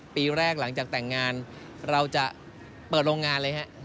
ปีแรกหลังจากแต่งงานเราจะเปิดโรงงานเลยฮะ